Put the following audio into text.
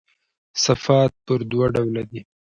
صفات پر دوه ډوله دي.